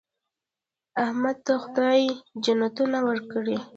احمد ته خدای جنتونه ورکړي.